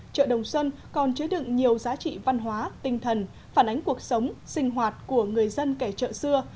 chợ đồng xuân còn chứa đựng nhiều giá trị văn hóa tinh thần phản ánh cuộc sống sinh hoạt của người dân kẻ chợ xưa